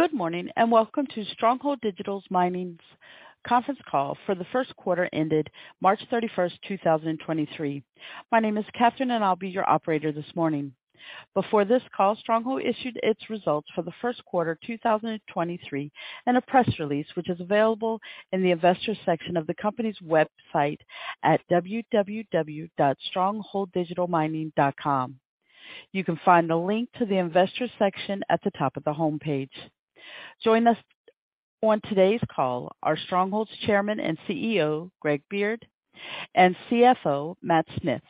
Good morning, and welcome to Stronghold Digital Mining's conference call for the first quarter ended March thirty-first, 2023. My name is Katherine, and I'll be your operator this morning. Before this call, Stronghold issued its results for the first quarter 2023, and a press release, which is available in the Investors section of the company's website at www.strongholddigitalmining.com. You can find the link to the Investors section at the top of the homepage. Joining us on today's call are Stronghold's Chairman and CEO, Greg Beard, and CFO, Matt Smith.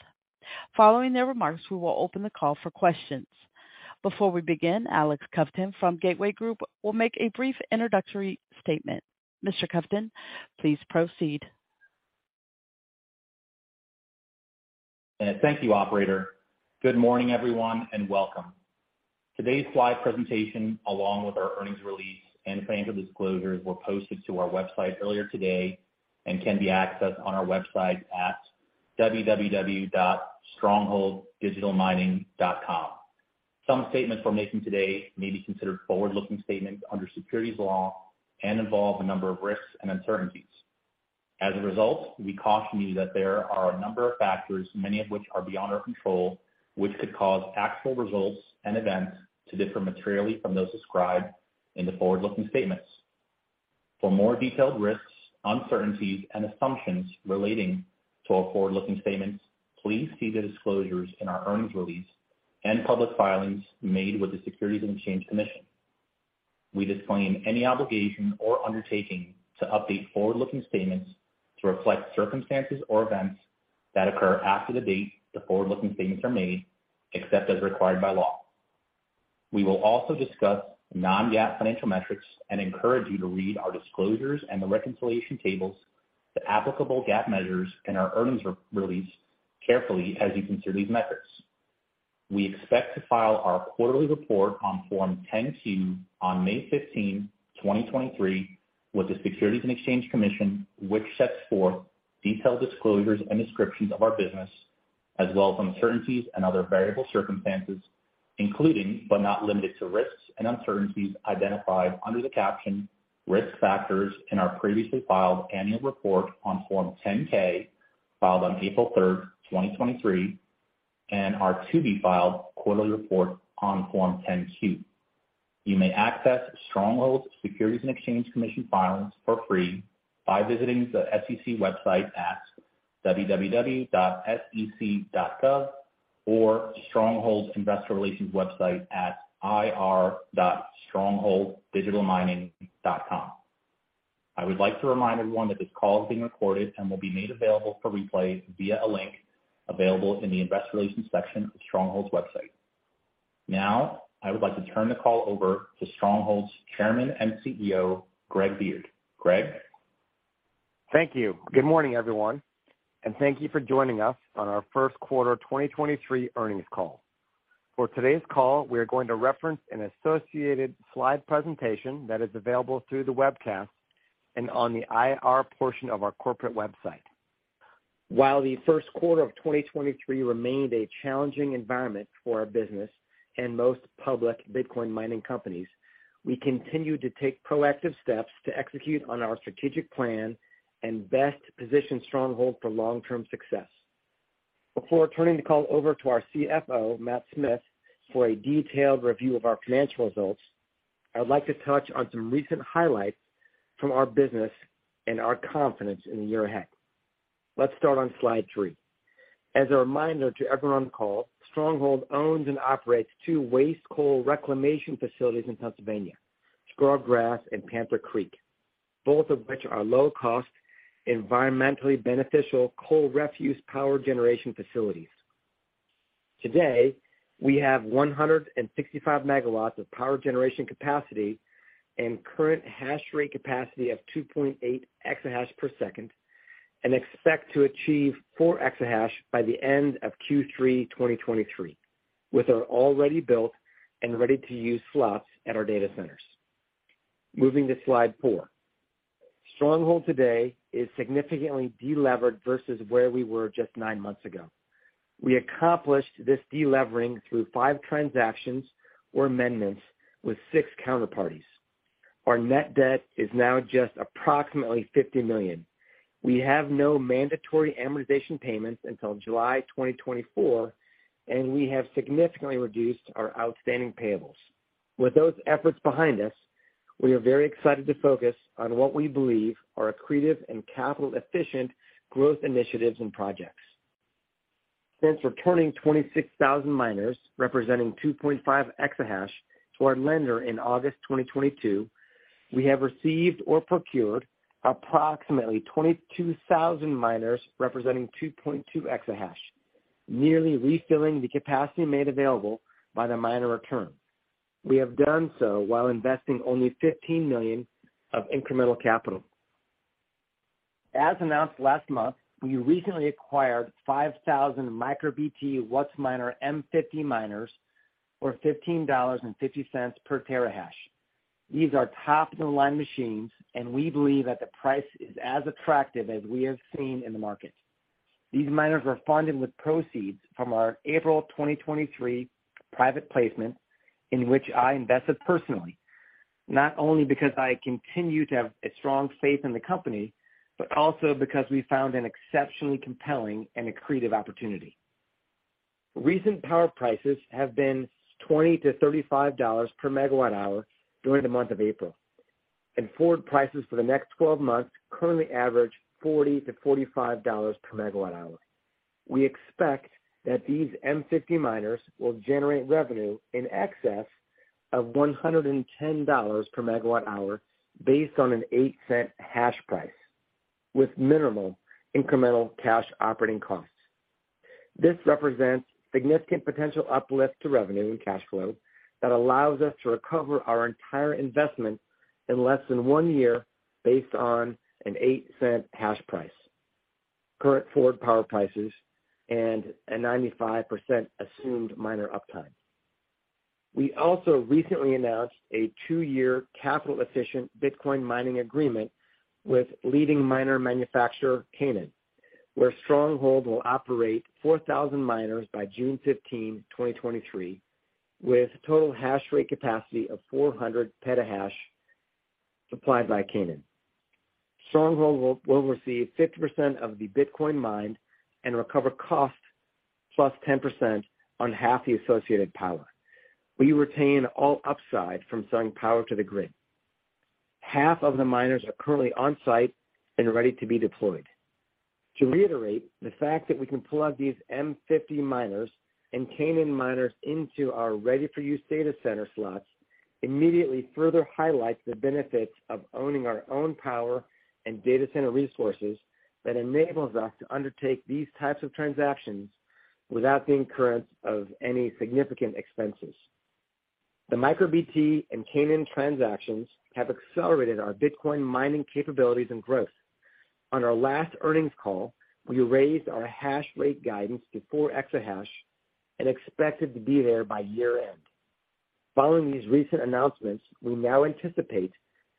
Following their remarks, we will open the call for questions. Before we begin, Alex Kovtun from Gateway Group will make a brief introductory statement. Mr. Kovtun, please proceed. Thank you, operator. Good morning, everyone, and welcome. Today's slide presentation, along with our earnings release and financial disclosures, were posted to our website earlier today and can be accessed on our website at www.strongholddigitalmining.com. Some statements we're making today may be considered forward-looking statements under securities law and involve a number of risks and uncertainties. As a result, we caution you that there are a number of factors, many of which are beyond our control, which could cause actual results and events to differ materially from those described in the forward-looking statements. For more detailed risks, uncertainties, and assumptions relating to our forward-looking statements, please see the disclosures in our earnings release and public filings made with the Securities and Exchange Commission. We disclaim any obligation or undertaking to update forward-looking statements to reflect circumstances or events that occur after the date the forward-looking statements are made, except as required by law. We will also discuss non-GAAP financial metrics and encourage you to read our disclosures and the reconciliation tables to applicable GAAP measures in our earnings re-release carefully as you consider these metrics. We expect to file our quarterly report on Form 10-Q on May 15th, 2023, with the Securities and Exchange Commission, which sets forth detailed disclosures and descriptions of our business, as well as uncertainties and other variable circumstances, including, but not limited to risks and uncertainties identified under the caption Risk Factors in our previously filed annual report on Form 10-K, filed on April 3rd, 2023, and are to be filed quarterly report on Form 10-Q. You may access Stronghold Securities and Exchange Commission filings for free by visiting the SEC website at www.sec.gov or Stronghold investor relations website at ir.strongholddigitalmining.com. I would like to remind everyone that this call is being recorded and will be made available for replay via a link available in the Investor Relations section of Stronghold's website. I would like to turn the call over to Stronghold's Chairman and CEO, Greg Beard. Greg? Thank you. Good morning, everyone, and thank you for joining us on our first quarter 2023 earnings call. For today's call, we are going to reference an associated slide presentation that is available through the webcast and on the IR portion of our corporate website. While the first quarter of 2023 remained a challenging environment for our business and most public Bitcoin mining companies, we continue to take proactive steps to execute on our strategic plan and best position Stronghold for long-term success. Before turning the call over to our CFO, Matt Smith, for a detailed review of our financial results, I would like to touch on some recent highlights from our business and our confidence in the year ahead. Let's start on slide three. As a reminder to everyone on call, Stronghold owns and operates two waste coal reclamation facilities in Pennsylvania, Scrubgrass and Panther Creek, both of which are low cost, environmentally beneficial coal refuse power generation facilities. Today, we have 165 megawatts of power generation capacity and current hash rate capacity of 2.8 exahash per second and expect to achieve four exahash by the end of Q3 2023 with our already built and ready-to-use slots at our data centers. Moving to slide four. Stronghold today is significantly delevered versus where we were just nine months ago. We accomplished this delevering through five transactions or amendments with six counterparties. Our net debt is now just approximately $50 million. We have no mandatory amortization payments until July 2024, and we have significantly reduced our outstanding payables. With those efforts behind us, we are very excited to focus on what we believe are accretive and capital-efficient growth initiatives and projects. Since returning 26,000 miners, representing 2.5 exahash to our lender in August 2022, we have received or procured approximately 22,000 miners representing 2.2 exahash, nearly refilling the capacity made available by the miner return. We have done so while investing only $15 million of incremental capital. As announced last month, we recently acquired 5,000 MicroBT WhatsMiner M50 miners for $15.50 per terahash. These are top-of-the-line machines, and we believe that the price is as attractive as we have seen in the market. These miners were funded with proceeds from our April 2023 private placement, in which I invested personally, not only because I continue to have a strong faith in the company, but also because we found an exceptionally compelling and accretive opportunity. Recent power prices have been $20-$35 per megawatt hour during the month of April, and forward prices for the next 12 months currently average $40-$45 per megawatt hour. We expect that these M50 miners will generate revenue in excess of $110 per megawatt hour based on an $0.08 hashprice with minimal incremental cash operating costs. This represents significant potential uplift to revenue and cash flow that allows us to recover our entire investment in less than one year based on a $0.08 hashprice, current forward power prices, and a 95% assumed miner uptime. We also recently announced a two-year capital efficient Bitcoin mining agreement with leading miner manufacturer Canaan, where Stronghold will operate 4,000 miners by June 15, 2023, with total hash rate capacity of 400 petahash supplied by Canaan. Stronghold will receive 50% of the Bitcoin mined and recover cost plus 10% on half the associated power. We retain all upside from selling power to the grid. Half of the miners are currently on site and ready to be deployed. To reiterate, the fact that we can plug these M50 miners and Canaan miners into our ready for use data center slots immediately further highlights the benefits of owning our own power and data center resources that enables us to undertake these types of transactions without the incurrence of any significant expenses. The MicroBT and Canaan transactions have accelerated our Bitcoin mining capabilities and growth. On our last earnings call, we raised our hash rate guidance to four exahash and expected to be there by year-end. Following these recent announcements, we now anticipate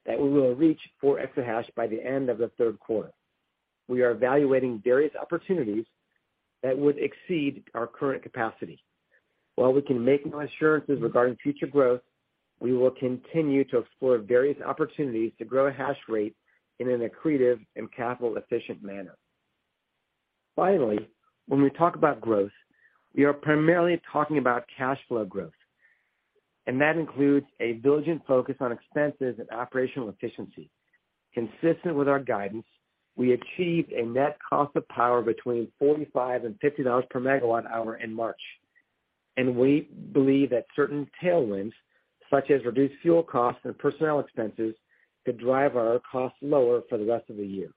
that we will reach four exahash by the end of the third quarter. We are evaluating various opportunities that would exceed our current capacity. While we can make no assurances regarding future growth, we will continue to explore various opportunities to grow hash rate in an accretive and capital efficient manner. When we talk about growth, we are primarily talking about cash flow growth, and that includes a diligent focus on expenses and operational efficiency. Consistent with our guidance, we achieved a net cost of power between $45 and $50 per megawatt hour in March, and we believe that certain tailwinds, such as reduced fuel costs and personnel expenses, could drive our costs lower for the rest of the year.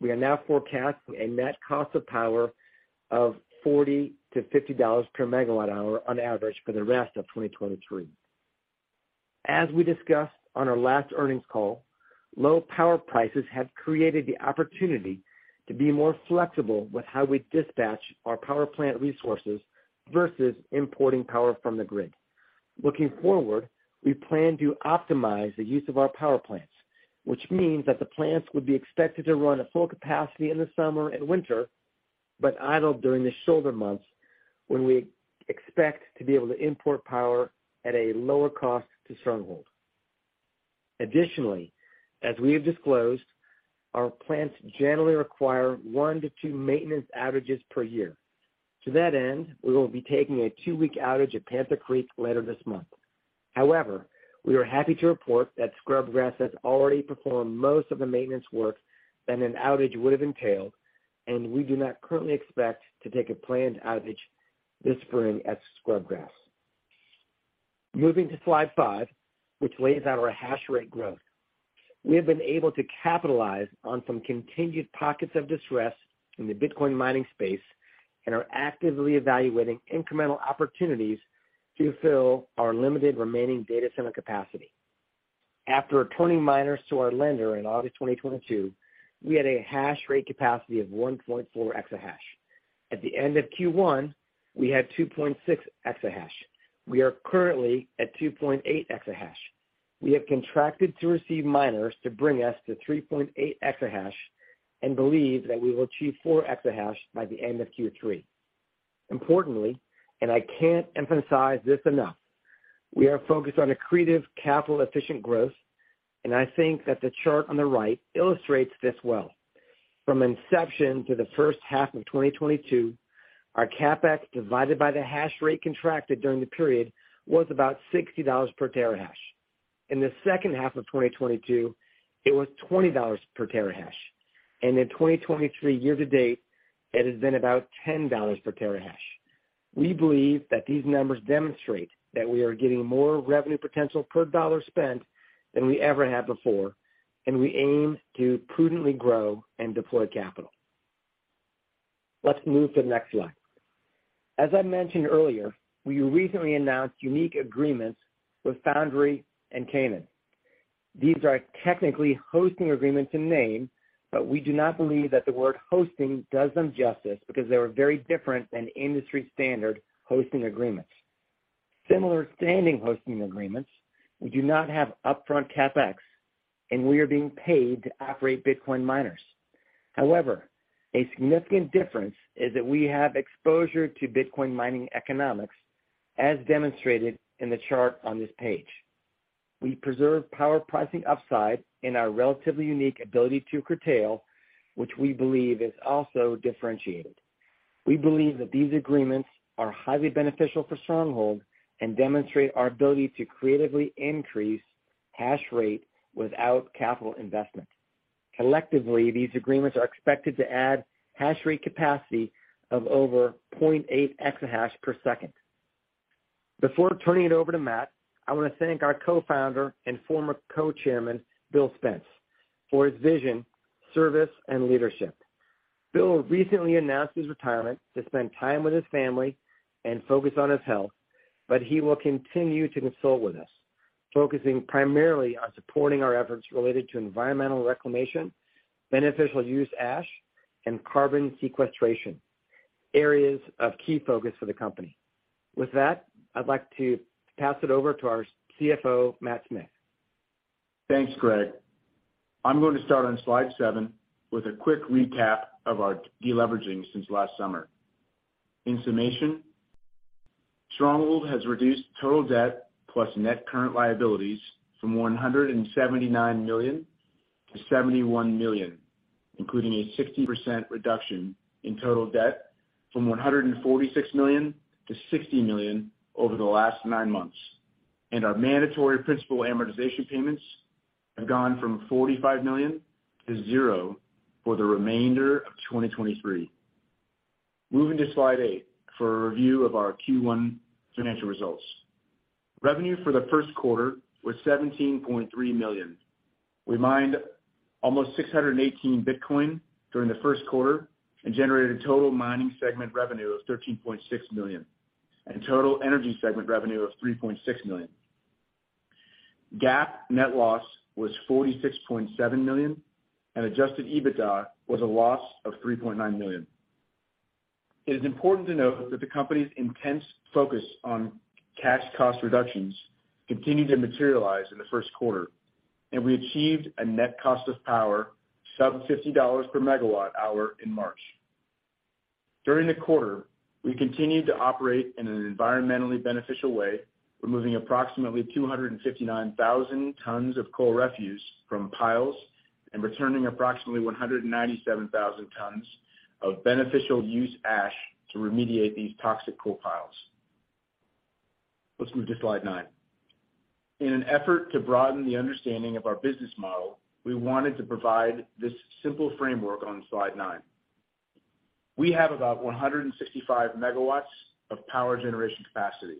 We are now forecasting a net cost of power of $40-$50 per megawatt hour on average for the rest of 2023. As we discussed on our last earnings call, low power prices have created the opportunity to be more flexible with how we dispatch our power plant resources versus importing power from the grid. Looking forward, we plan to optimize the use of our power plants, which means that the plants would be expected to run at full capacity in the summer and winter, but idle during the shoulder months when we expect to be able to import power at a lower cost to Stronghold. Additionally, as we have disclosed, our plants generally require 1-2 maintenance outages per year. To that end, we will be taking a two-week outage at Panther Creek later this month. However, we are happy to report that Scrubgrass has already performed most of the maintenance work that an outage would have entailed, and we do not currently expect to take a planned outage this spring at Scrubgrass. Moving to slide five, which lays out our hash rate growth. We have been able to capitalize on some continued pockets of distress in the Bitcoin mining space and are actively evaluating incremental opportunities to fill our limited remaining data center capacity. After returning miners to our lender in August 2022, we had a hash rate capacity of 1.4 exahash. At the end of Q1, we had 2.6 exahash. We are currently at 2.8 exahash. We have contracted to receive miners to bring us to 3.8 exahash and believe that we will achieve four exahash by the end of Q3. Importantly, I can't emphasize this enough, we are focused on accretive capital efficient growth, and I think that the chart on the right illustrates this well. From inception to the first half of 2022, our CapEx divided by the hash rate contracted during the period was about $60 per terahash. In the second half of 2022, it was $20 per terahash. In 2023 year to date, it has been about $10 per terahash. We believe that these numbers demonstrate that we are getting more revenue potential per dollar spent than we ever have before, and we aim to prudently grow and deploy capital. Let's move to the next slide. As I mentioned earlier, we recently announced unique agreements with Foundry and Canaan. These are technically hosting agreements in name, but we do not believe that the word hosting does them justice because they are very different than industry standard hosting agreements. Similar to standing hosting agreements, we do not have upfront CapEx, and we are being paid to operate Bitcoin miners. However, a significant difference is that we have exposure to Bitcoin mining economics, as demonstrated in the chart on this page. We preserve power pricing upside and our relatively unique ability to curtail, which we believe is also differentiated. We believe that these agreements are highly beneficial for Stronghold and demonstrate our ability to creatively increase hash rate without capital investment. Collectively, these agreements are expected to add hash rate capacity of over 0.8 exahash per second. Before turning it over to Matt, I want to thank our co-founder and former co-chairman, Bill Spence, for his vision, service, and leadership. Bill recently announced his retirement to spend time with his family and focus on his health, but he will continue to consult with us, focusing primarily on supporting our efforts related to environmental reclamation, beneficial use ash, and carbon sequestration, areas of key focus for the company. With that, I'd like to pass it over to our CFO, Matt Smith. Thanks, Greg. I'm going to start on slide seven with a quick recap of our deleveraging since last summer. In summation, Stronghold has reduced total debt plus net current liabilities from $179 million to $71 million, including a 60% reduction in total debt from $146 million to $60 million over the last nine months. Our mandatory principal amortization payments have gone from $45 million to 0 for the remainder of 2023. Moving to slide eight for a review of our Q1 financial results. Revenue for the first quarter was $17.3 million. We mined almost 618 Bitcoin during the first quarter and generated total mining segment revenue of $13.6 million and total energy segment revenue of $3.6 million. GAAP net loss was $46.7 million, adjusted EBITDA was a loss of $3.9 million. It is important to note that the company's intense focus on cash cost reductions continued to materialize in the first quarter, we achieved a net cost of power sub $50 per MWh in March. During the quarter, we continued to operate in an environmentally beneficial way, removing approximately 259,000 tons of coal refuse from piles and returning approximately 197,000 tons of beneficial use ash to remediate these toxic coal piles. Let's move to slide nine. In an effort to broaden the understanding of our business model, we wanted to provide this simple framework on slide nine. We have about 165 MW of power generation capacity.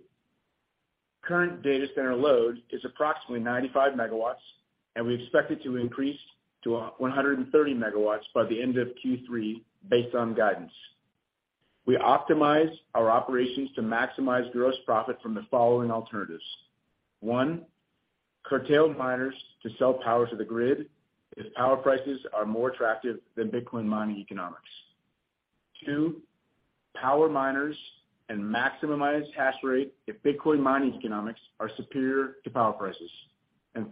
Current data center load is approximately 95 MW, and we expect it to increase to 130 MW by the end of Q3 based on guidance. We optimize our operations to maximize gross profit from the following alternatives. One, curtail miners to sell power to the grid if power prices are more attractive than Bitcoin mining economics. Two, power miners and maximize hash rate if Bitcoin mining economics are superior to power prices.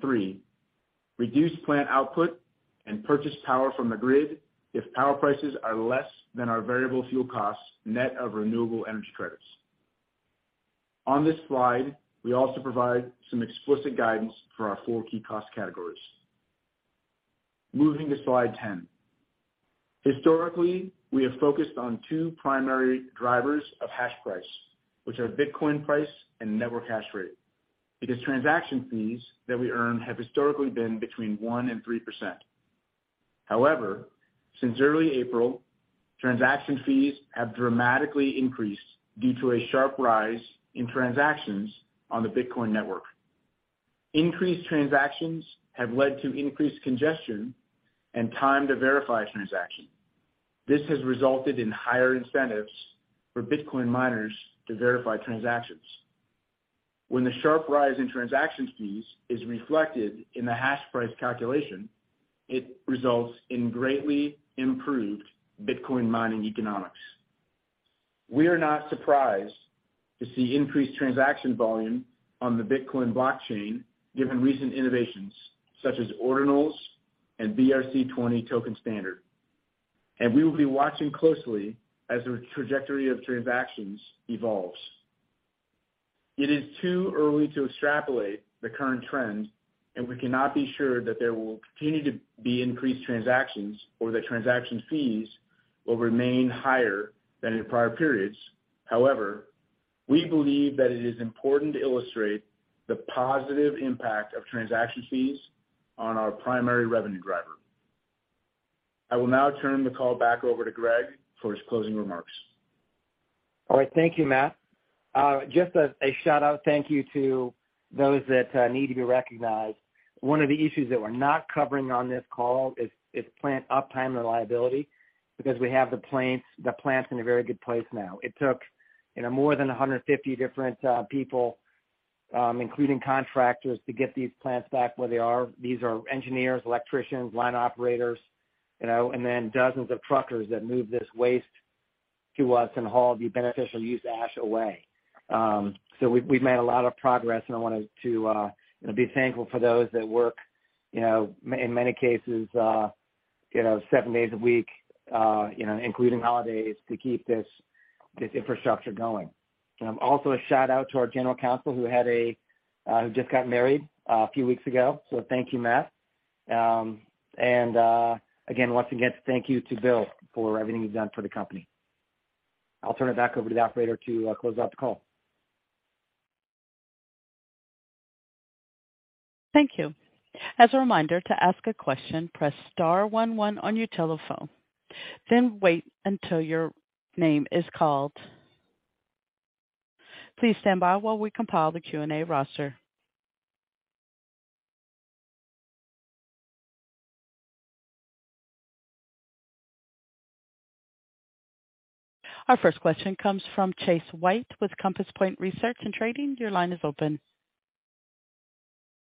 Three, reduce plant output and purchase power from the grid if power prices are less than our variable fuel costs net of Renewable Energy Credits. On this slide, we also provide some explicit guidance for our four key cost categories. Moving to slide 10. Historically, we have focused on two primary drivers of hashprice, which are Bitcoin price and network hash rate, because transaction fees that we earn have historically been between 1% and 3%. However, since early April, transaction fees have dramatically increased due to a sharp rise in transactions on the Bitcoin network. Increased transactions have led to increased congestion and time to verify a transaction. This has resulted in higher incentives for Bitcoin miners to verify transactions. When the sharp rise in transaction fees is reflected in the hashprice calculation, it results in greatly improved Bitcoin mining economics. We are not surprised to see increased transaction volume on the Bitcoin blockchain given recent innovations such as Ordinals and BRC-20 token standard. We will be watching closely as the trajectory of transactions evolves. It is too early to extrapolate the current trend, and we cannot be sure that there will continue to be increased transactions or that transaction fees will remain higher than in prior periods. However, we believe that it is important to illustrate the positive impact of transaction fees on our primary revenue driver. I will now turn the call back over to Greg for his closing remarks. All right. Thank you, Matt. Just a shout-out thank you to those that need to be recognized. One of the issues that we're not covering on this call is plant uptime reliability because we have the plants in a very good place now. It took, you know, more than 150 different people Including contractors to get these plants back where they are. These are engineers, electricians, line operators, you know, and then dozens of truckers that move this waste to us and haul the beneficial use ash away. We've, we've made a lot of progress, and I wanted to, you know, be thankful for those that work, you know, in many cases, you know, seven days a week, you know, including holidays to keep this infrastructure going. A shout out to our General Counsel who had a, who just got married a few weeks ago. Thank you, Matt. Again, once again, thank you to Bill for everything you've done for the company. I'll turn it back over to the operator to close out the call. Thank you. As a reminder, to ask a question, press star one one on your telephone, then wait until your name is called. Please stand by while we compile the Q&A roster. Our first question comes from Chase White with Compass Point Research and Trading. Your line is open.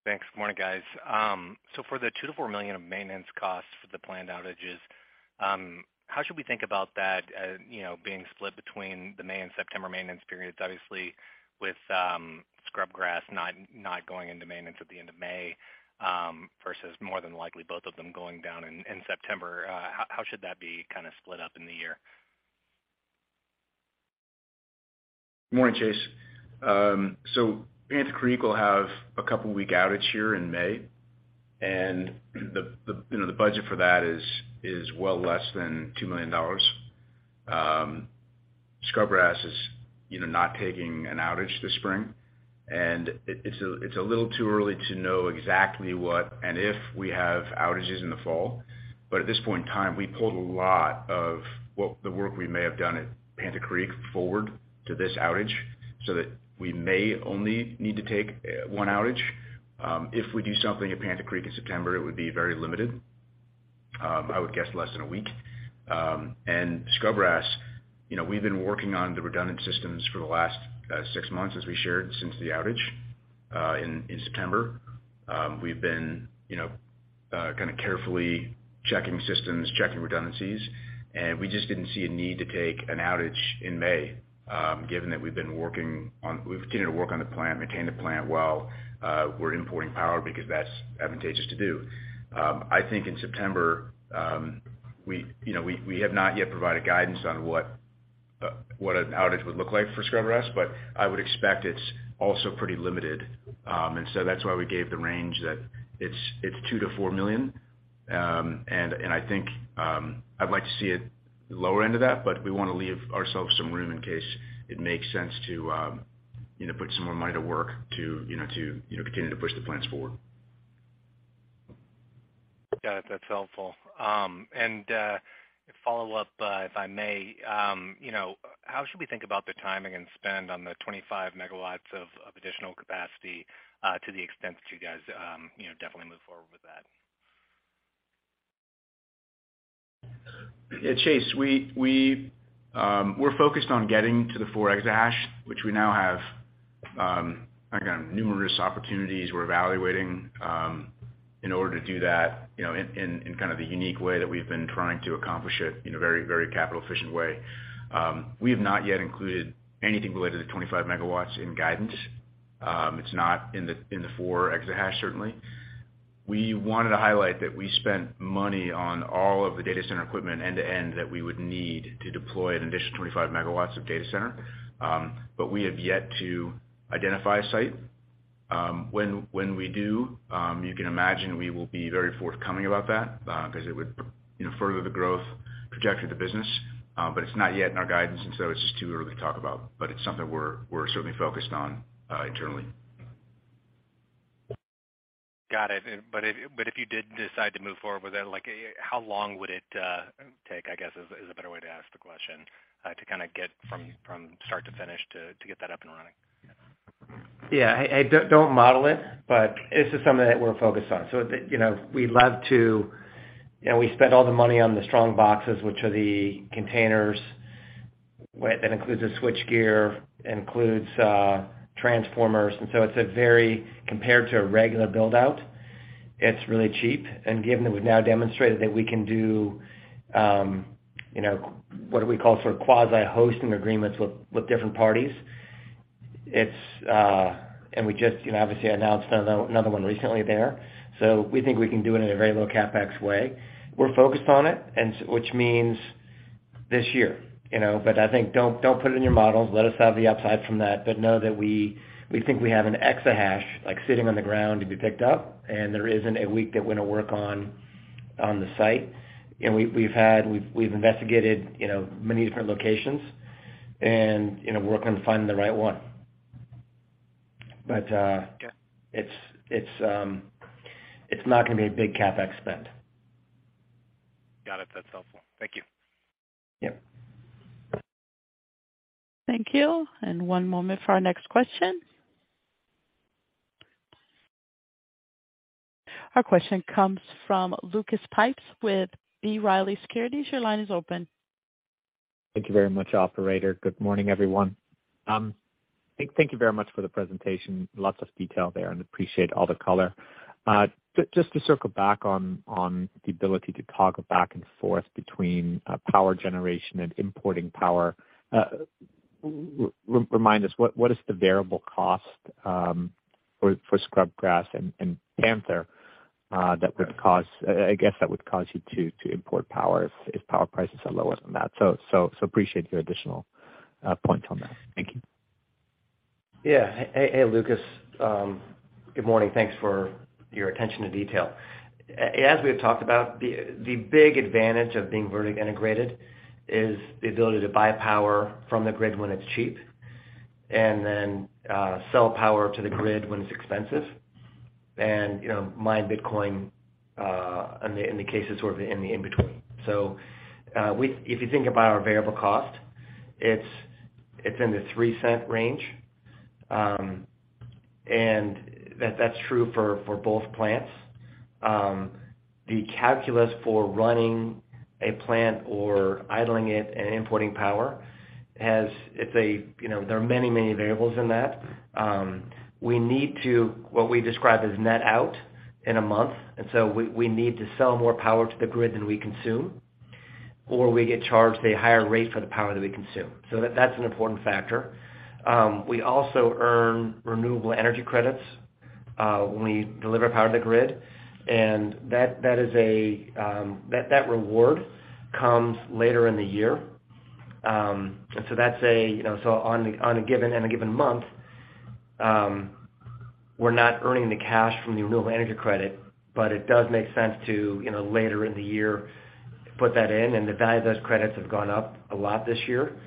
Thanks. Good morning, guys. For the $2 million-$4 million of maintenance costs for the planned outages, how should we think about that being split between the May and September maintenance periods, obviously with Scrubgrass not going into maintenance at the end of May, versus more than likely both of them going down in September, how should that be kind of split up in the year? Morning, Chase. Panther Creek will have a couple week outage here in May, and you know, the budget for that is well less than $2 million. Scrubgrass is, you know, not taking an outage this spring, it's a little too early to know exactly what and if we have outages in the fall. At this point in time, we pulled a lot of what the work we may have done at Panther Creek forward to this outage so that we may only need to take one outage. If we do something at Panther Creek in September, it would be very limited. I would guess less than a week. Scrubgrass, you know, we've been working on the redundant systems for the last six months as we shared since the outage in September. We've been, you know, kind of carefully checking systems, checking redundancies, and we just didn't see a need to take an outage in May, given that we've continued to work on the plant, maintain the plant while we're importing power because that's advantageous to do. I think in September, we, you know, we have not yet provided guidance on what an outage would look like for Scrubgrass, but I would expect it's also pretty limited. That's why we gave the range that it's $2 million-$4 million. I think, I'd like to see it lower end of that, but we wanna leave ourselves some room in case it makes sense to, you know, put some more money to work to, you know, continue to push the plants forward. Got it. That's helpful. Follow up, if I may, you know, how should we think about the timing and spend on the 25 MW of additional capacity, to the extent that you guys, you know, definitely move forward with that? Chase, we're focused on getting to the 4 exahash which we now have, again, numerous opportunities we're evaluating, in order to do that, you know, in kind of the unique way that we've been trying to accomplish it in a very, very capital efficient way. We have not yet included anything related to 25 MW in guidance. It's not in the four exahash, certainly. We wanted to highlight that we spent money on all of the data center equipment end to end that we would need to deploy an additional 25 MW of data center. We have yet to identify a site. When we do, you can imagine we will be very forthcoming about that, 'cause it would, you know, further the growth trajectory of the business. It's not yet in our guidance, and so it's just too early to talk about. It's something we're certainly focused on internally. Got it. If you did decide to move forward with that, like how long would it take, I guess, is a better way to ask the question, to kind of get from start to finish to get that up and running? Yeah. I don't model it, but it's just something that we're focused on. You know, we'd love to... You know, we spent all the money on the strong boxes, which are the containers that includes the switchgear and includes transformers. Compared to a regular build-out, it's really cheap. Given that we've now demonstrated that we can do, you know, what do we call sort of quasi hosting agreements with different parties. It's... We just, you know, obviously announced another one recently there. We think we can do it in a very low CapEx way. We're focused on it, which means this year, you know. I think don't put it in your models. Let us have the upside from that. Know that we think we have an exahash like sitting on the ground to be picked up, and there isn't a week that we're gonna work on, the site. You know, we've investigated, you know, many different locations and, you know, working on finding the right one. Got it. It's not gonna be a big CapEx spend. Got it. That's helpful. Thank you. Yeah. Thank you. One moment for our next question. Our question comes from Lucas Pipes with B. Riley Securities. Your line is open. Thank you very much, operator. Good morning, everyone. Thank you very much for the presentation. Lots of detail there and appreciate all the color. Just to circle back on the ability to toggle back and forth between power generation and importing power, remind us what is the variable cost for Scrubgrass and Panther that would cause I guess that would cause you to import power if power prices are lower than that. Appreciate your additional points on that. Thank you. Yeah. Hey, Lucas. Good morning. Thanks for your attention to detail. As we've talked about, the big advantage of being vertically integrated is the ability to buy power from the grid when it's cheap and then sell power to the grid when it's expensive and, you know, mine Bitcoin in the cases sort of in the in-between. If you think about our variable cost, it's in the $0.03 range, and that's true for both plants. The calculus for running a plant or idling it and importing power has. It's a, you know, there are many variables in that. We need to, what we describe as net out in a month, and so we need to sell more power to the grid than we consume, or we get charged a higher rate for the power that we consume. That's an important factor. We also earn Renewable Energy Credits, when we deliver power to the grid, and that is a, that reward comes later in the year. That's a, you know, so in a given month, we're not earning the cash from the Renewable Energy Credit, but it does make sense to, you know, later in the year, put that in, and the value of those credits have gone up a lot this year.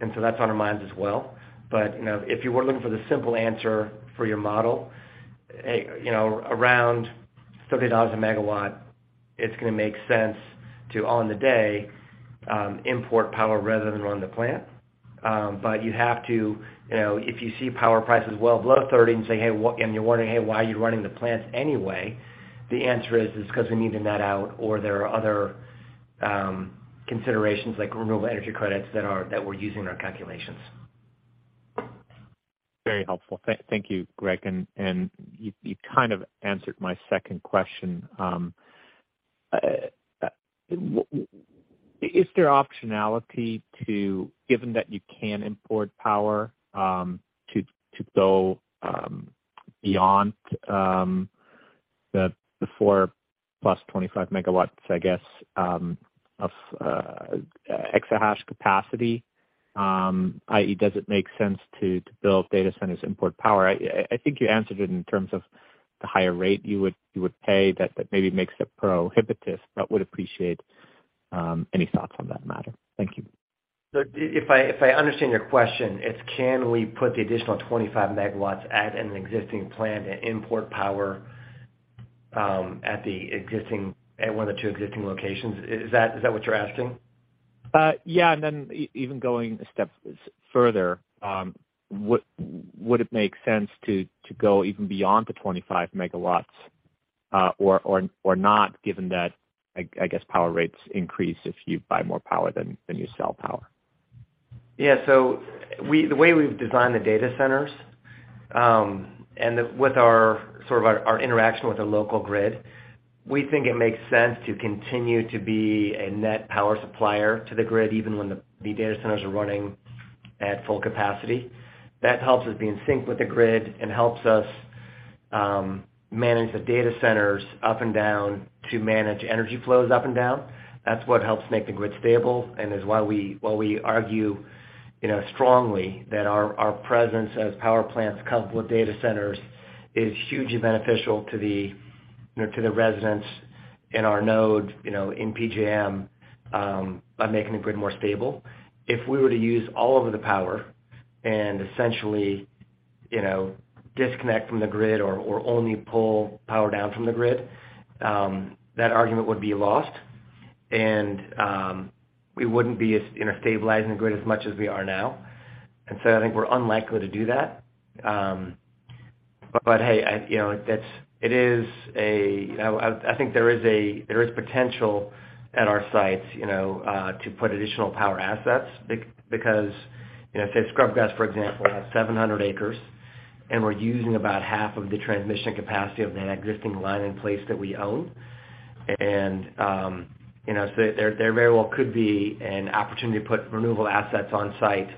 That's on our minds as well. You know, if you were looking for the simple answer for your model, you know, around $30 a megawatt, it's gonna make sense to, on the day, import power rather than run the plant. You have to, you know, if you see power prices well below 30 and you're wondering, "Hey, why are you running the plants anyway?" The answer is, it's because we need to net out or there are other considerations like Renewable Energy Credits that we're using in our calculations. Very helpful. Thank you, Greg. You kind of answered my second question. Is there optionality to, given that you can import power, to go beyond the four plus 25 MW, I guess, of exahash capacity? I.e., does it make sense to build data centers import power? I think you answered it in terms of the higher rate you would pay that maybe makes it prohibitive, but would appreciate any thoughts on that matter. Thank you. If I understand your question, it's can we put the additional 25 MW at an existing plant and import power, at one of the two existing locations? Is that what you're asking? Yeah. even going a step further, would it make sense to go even beyond the 25 MW, or not, given that, I guess, power rates increase if you buy more power than you sell power? Yeah. The way we've designed the data centers, with our sort of our interaction with the local grid, we think it makes sense to continue to be a net power supplier to the grid, even when the data centers are running at full capacity. That helps us be in sync with the grid and helps us manage the data centers up and down to manage energy flows up and down. That's what helps make the grid stable and is why we argue, you know, strongly that our presence as power plants coupled with data centers is hugely beneficial to the, you know, to the residents in our node, you know, in PJM, by making the grid more stable. If we were to use all of the power and essentially, you know, disconnect from the grid or only pull power down from the grid, that argument would be lost. We wouldn't be as, you know, stabilizing the grid as much as we are now. I think we're unlikely to do that. But hey, I, you know, I think there is potential at our sites, you know, to put additional power assets because, you know, say Scrubgrass, for example, has 700 acres, and we're using about half of the transmission capacity of the existing line in place that we own. you know, there very well could be an opportunity to put renewable assets on site,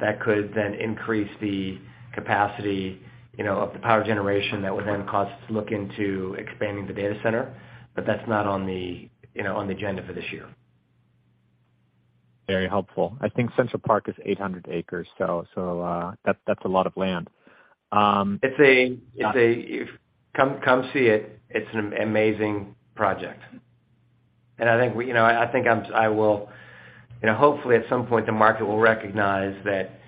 that could then increase the capacity, you know, of the power generation that would then cause us to look into expanding the data center. That's not on the, you know, on the agenda for this year. Very helpful. I think Central Park is 800 acres, so, that's a lot of land. Come see it. It's an amazing project. I think we, you know, I think I will. You know, hopefully, at some point, the market will recognize that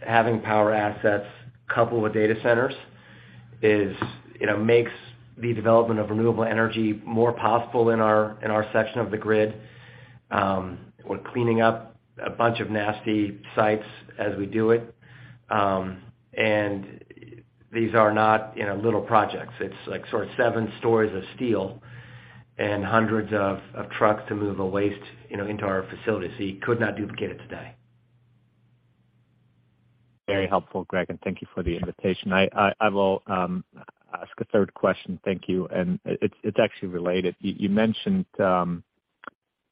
having power assets coupled with data centers is, you know, makes the development of renewable energy more possible in our, in our section of the grid. We're cleaning up a bunch of nasty sites as we do it. These are not, you know, little projects. It's like sort of seven stories of steel and hundreds of trucks to move a waste, you know, into our facility. You could not duplicate it today. Very helpful, Greg. Thank you for the invitation. I will ask a third question. Thank you. It's actually related. You mentioned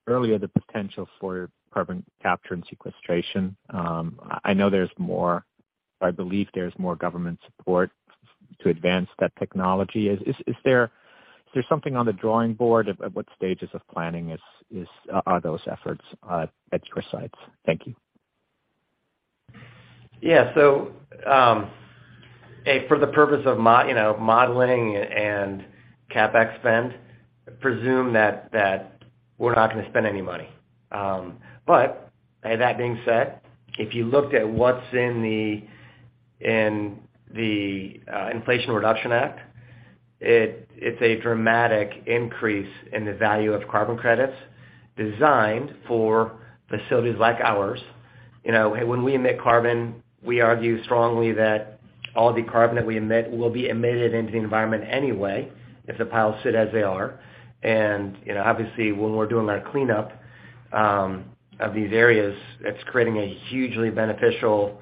earlier the potential for carbon capture and sequestration. I believe there's more government support to advance that technology. Is there something on the drawing board? At what stages of planning are those efforts at your sites? Thank you. For the purpose of you know, modeling and CapEx spend, presume that we're not gonna spend any money. But that being said, if you looked at what's in the, in the Inflation Reduction Act, it's a dramatic increase in the value of carbon credits designed for facilities like ours. You know, when we emit carbon, we argue strongly that all the carbon that we emit will be emitted into the environment anyway if the piles sit as they are. You know, obviously, when we're doing that cleanup, of these areas, it's creating a hugely beneficial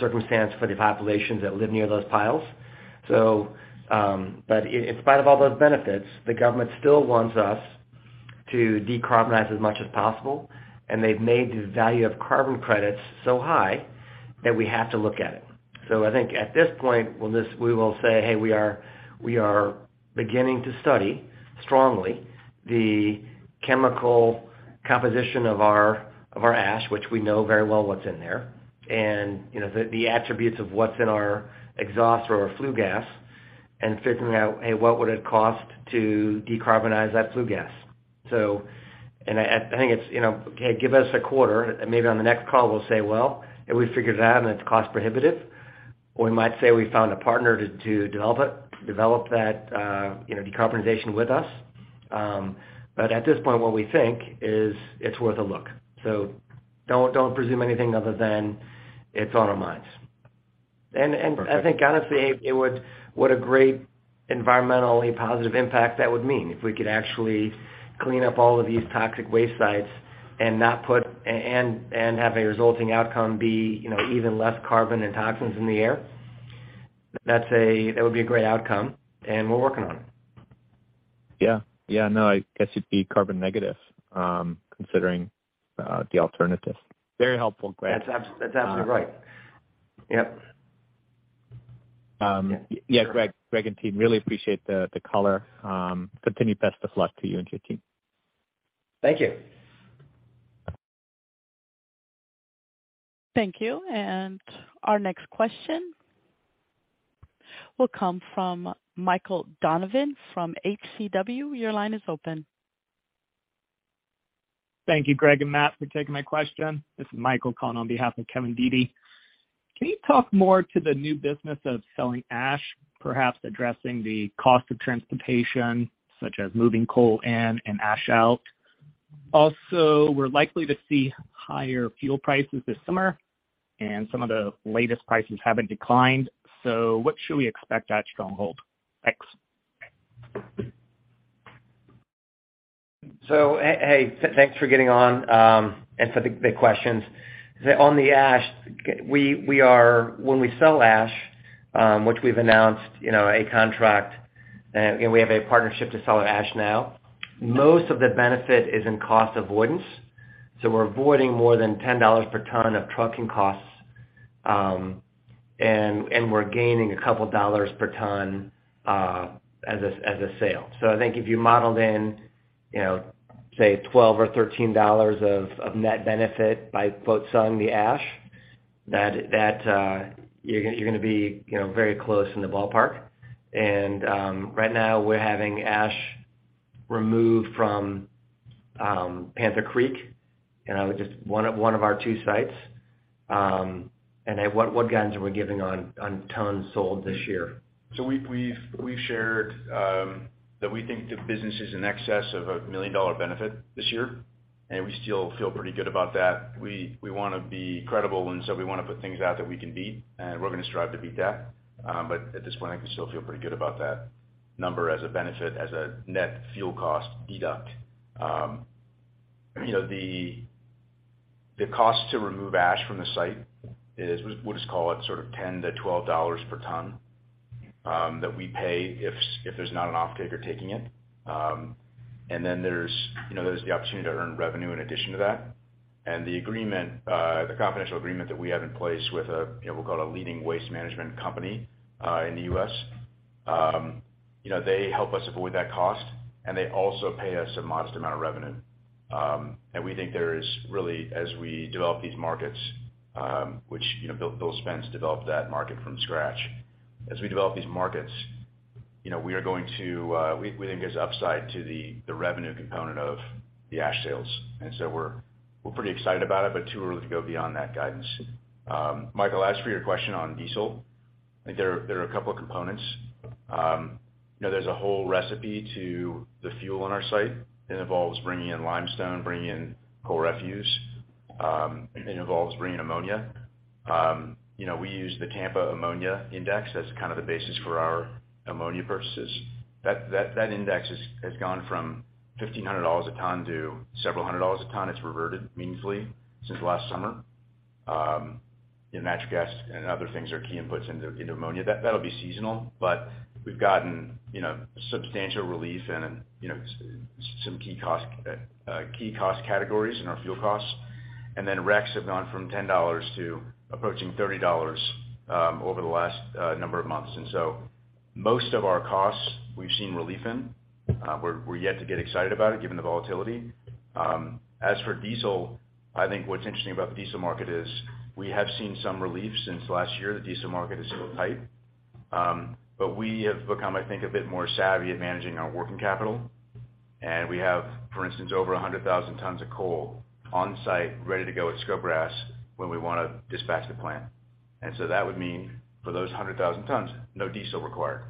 circumstance for the populations that live near those piles. But in spite of all those benefits, the government still wants us to decarbonize as much as possible, and they've made the value of carbon credits so high that we have to look at it. I think at this point, we will say, "Hey, we are beginning to study strongly the chemical composition of our ash, which we know very well what's in there. You know, the attributes of what's in our exhaust or our flue gas and figuring out, hey, what would it cost to decarbonize that flue gas? I think it's, you know, Give us a quarter, and maybe on the next call, we'll say, "Well, we figured it out, and it's cost prohibitive." We might say we found a partner to develop that, you know, decarbonization with us. At this point, what we think is it's worth a look. Don't, don't presume anything other than it's on our minds. Perfect. I think, honestly, what a great environmentally positive impact that would mean if we could actually clean up all of these toxic waste sites and have a resulting outcome be, you know, even less carbon and toxins in the air. That would be a great outcome, and we're working on it. Yeah. Yeah. I guess it'd be carbon negative, considering the alternative. Very helpful, Greg. That's absolutely right. Yep. Um. Yeah. Greg and team, really appreciate the color. Continued best of luck to you and your team. Thank you. Thank you. Our next question will come from Michael Donovan from H.C. Wainwright. Your line is open. Thank you, Greg and Matt, for taking my question. This is Michael calling on behalf of Kevin Dede. Can you talk more to the new business of selling ash, perhaps addressing the cost of transportation, such as moving coal in and ash out? We're likely to see higher fuel prices this summer, and some of the latest prices haven't declined. What should we expect at Stronghold? Thanks. Thanks for getting on, and for the big questions. On the ash, when we sell ash, which we've announced, you know, a contract, you know, we have a partnership to sell ash now. Most of the benefit is in cost avoidance, we're avoiding more than $10 per ton of trucking costs, and we're gaining a couple of dollars per ton as a sale. I think if you modeled in, you know, say, $12 or $13 of net benefit by both selling the ash, that you're gonna be, you know, very close in the ballpark. Right now we're having ash removed from Panther Creek, you know, just one of our two sites. What guidance are we giving on tons sold this year? We've shared that we think the business is in excess of a $1 million benefit this year, and we still feel pretty good about that. We wanna be credible, we wanna put things out that we can beat, we're gonna strive to beat that. At this point, I can still feel pretty good about that number as a benefit, as a net fuel cost deduct. You know, the cost to remove ash from the site is we'll just call it sort of $10-$12 per ton that we pay if there's not an offtake or taking it. There's, you know, there's the opportunity to earn revenue in addition to that. The agreement, the confidential agreement that we have in place with a, you know, we'll call it a leading waste management company, in the U.S., you know, they help us avoid that cost, and they also pay us a modest amount of revenue. We think there is really, as we develop these markets, which, you know, Bill Spence developed that market from scratch. As we develop these markets, you know, we are going to. We think there's upside to the revenue component of the ash sales, so we're pretty excited about it, but too early to go beyond that guidance. Michael, as for your question on diesel. I think there are a couple of components. You know, there's a whole recipe to the fuel on our site. It involves bringing in limestone, bringing in coal refuse. It involves bringing ammonia. You know, we use the Tampa Ammonia Index, that's kind of the basis for our ammonia purchases. That index has gone from $1,500 a ton to several hundred dollars a ton. It's reverted meaningfully since last summer. Natural gas and other things are key inputs into ammonia. That'll be seasonal, but we've gotten, you know, some key cost categories in our fuel costs. RECs have gone from $10 to approaching $30 over the last number of months. Most of our costs we've seen relief in, we're yet to get excited about it given the volatility. As for diesel, I think what's interesting about the diesel market is we have seen some relief since last year. The diesel market is still tight. We have become, I think, a bit more savvy at managing our working capital. We have, for instance, over 100,000 tons of coal on site ready to go at Scrubgrass when we wanna dispatch the plant. That would mean for those 100,000 tons, no diesel required,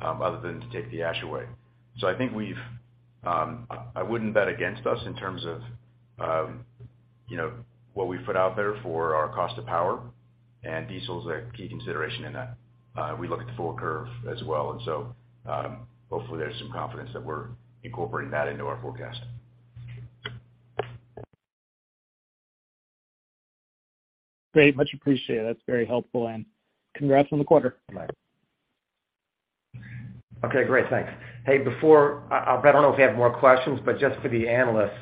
other than to take the ash away. I think we've. I wouldn't bet against us in terms of, you know, what we put out there for our cost of power, and diesel's a key consideration in that. We look at the full curve as well. Hopefully there's some confidence that we're incorporating that into our forecasting. Great. Much appreciated. That's very helpful and congrats on the quarter. Bye. Okay, great. Thanks. Hey, before, I don't know if we have more questions, but just for the analysts,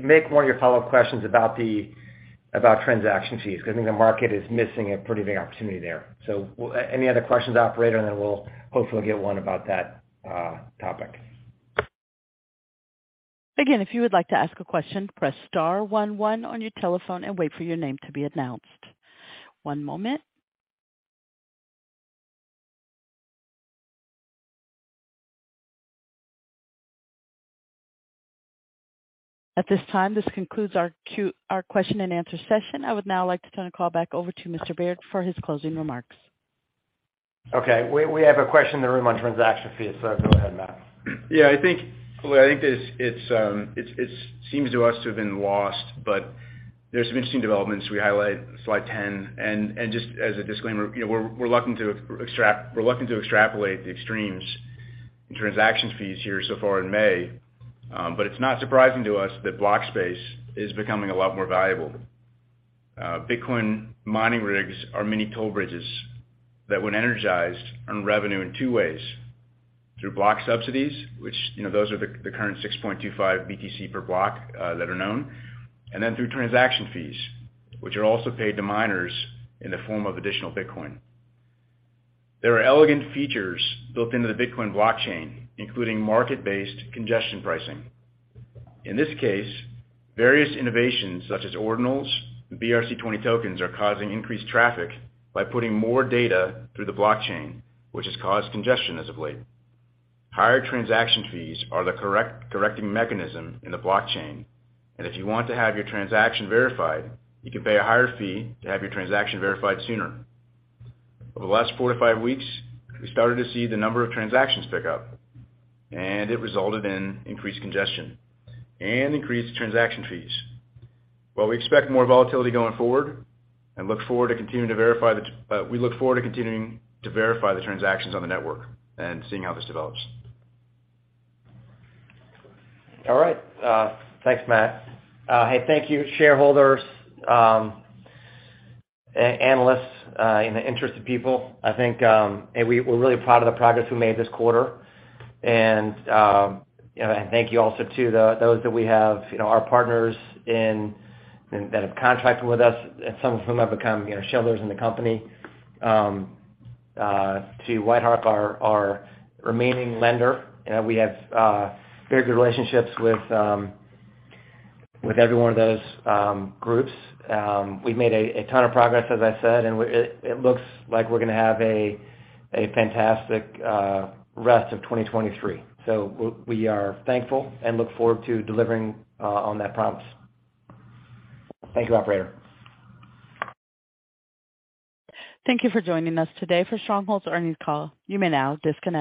make more of your follow-up questions about the transaction fees. 'Cause I think the market is missing a pretty big opportunity there. Any other questions, operator, and then we'll hopefully get one about that topic. Again, if you would like to ask a question, press star one one on your telephone and wait for your name to be announced. One moment. At this time, this concludes our question and answer session. I would now like to turn the call back over to Mr. Beard for his closing remarks. Okay. We have a question in the room on transaction fees, Go ahead, Matt. I think, well, I think this it's seems to us to have been lost, but there's some interesting developments. We highlight slide 10. Just as a disclaimer, you know, we're reluctant to extrapolate the extremes in transactions fees here so far in May. It's not surprising to us that block space is becoming a lot more valuable. Bitcoin mining rigs are mini toll bridges that when energized earn revenue in two ways: through block subsidies, which, you know, those are the current 6.25 BTC per block that are known, and then through transaction fees, which are also paid to miners in the form of additional Bitcoin. There are elegant features built into the Bitcoin blockchain, including market-based congestion pricing. In this case, various innovations such as Ordinals and BRC-20 tokens are causing increased traffic by putting more data through the blockchain, which has caused congestion as of late. Higher transaction fees are the correcting mechanism in the blockchain, and if you want to have your transaction verified, you can pay a higher fee to have your transaction verified sooner. Over the last 4-5 weeks, we started to see the number of transactions pick up, and it resulted in increased congestion and increased transaction fees. While we expect more volatility going forward and look forward to continuing to verify the transactions on the network and seeing how this develops. All right. Thanks, Matt. Hey, thank you shareholders, analysts, and the interested people. I think, hey, we're really proud of the progress we made this quarter. You know, thank you also to those that we have, you know, our partners that have contracted with us, and some of whom have become, you know, shareholders in the company. To WhiteHawk, our remaining lender. You know, we have very good relationships with every one of those groups. We've made a ton of progress, as I said, and it looks like we're gonna have a fantastic rest of 2023. We are thankful and look forward to delivering on that promise. Thank you, operator. Thank you for joining us today for Stronghold's earnings call. You may now disconnect.